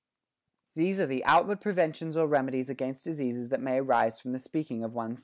14. These are the outward preventions or remedies against diseases that may arise from the speaking of one's * II.